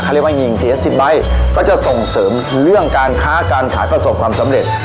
เรียกว่าหญิงเสีย๑๐ใบก็จะส่งเสริมเรื่องการค้าการขายประสบความสำเร็จ